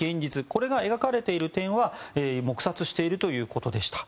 これが描かれている点は黙殺しているということでした。